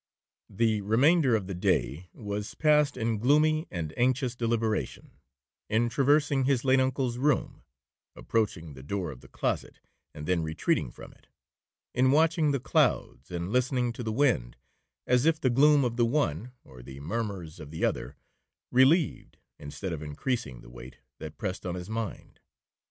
The remainder of the day was passed in gloomy and anxious deliberation,—in traversing his late uncle's room,—approaching the door of the closet, and then retreating from it,—in watching the clouds, and listening to the wind, as if the gloom of the one, or the murmurs of the other, relieved instead of increasing the weight that pressed on his mind.